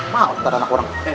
mawar tak ada anak orang